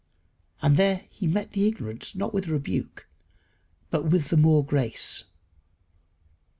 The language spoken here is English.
And there he met the ignorance, not with rebuke, but with the more grace.